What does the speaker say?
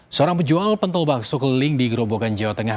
seorang penjual pentol bakso keliling di gerobogan jawa tengah